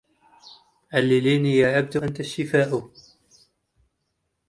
علليني يا عبد أنت الشفاء